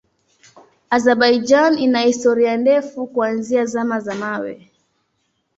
Azerbaijan ina historia ndefu kuanzia Zama za Mawe.